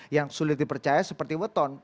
yang sulit dipercaya seperti weton